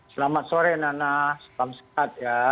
selamat sore nana salam sehat ya